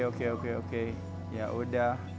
oke oke oke ya udah